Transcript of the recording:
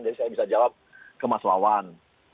jadi saya bisa jawab ke mas lawan